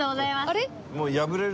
あれ？